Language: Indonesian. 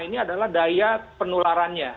ini adalah daya penularannya